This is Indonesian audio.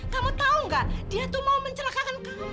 kamu tahu nggak dia tuh mau mencelakakan kamu